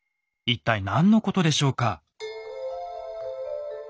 一体何のことでしょうか？